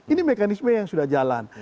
ini mekanisme yang sudah jalan